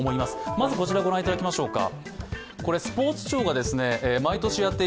まず、こちらをご覧いただきましょうか。